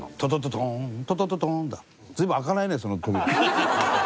随分開かないねその扉。